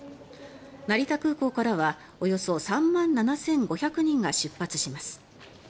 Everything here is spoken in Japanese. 成田空港からはおよそ３万７５００人が出発します。